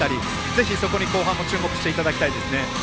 ぜひ、そこに後半も注目していただきたいですね。